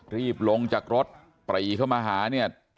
รีบลงจากรถปรีเข้ามาหาเนี่ย